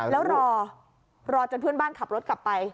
แล้วรอรอจนเพื่อนบ้านขับรถกลับไป